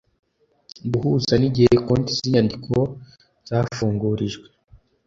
guhuza n’igihe konti z’inyandiko zafungurijwe